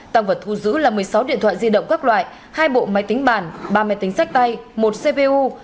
tăng vật thu giữ là một mươi sáu điện thoại di động các loại hai bộ máy tính bàn ba máy tính sách tay một cpu